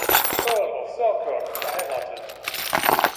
Earl of Selkirk, geheiratet.